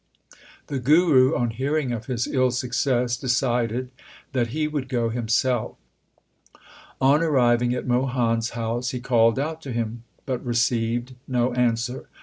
The Guru, on hearing of his ill success, decided that he would go himself. On arriving at Mohan s house he called out to him, but received no answer.